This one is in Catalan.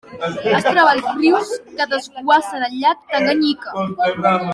Es troba als rius que desguassen al llac Tanganyika.